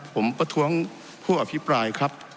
ผมประท้วงผู้อภิปรายครับ